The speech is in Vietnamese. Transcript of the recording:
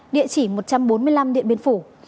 địa chỉ một trăm bốn mươi năm điện biên phủ